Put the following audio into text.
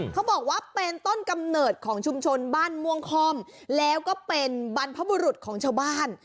เขาบอกว่าเป็นต้นกำเนิดของชุมชนบ้านม่วงค่อมแล้วก็เป็นบรรพบุรุษของชาวบ้าน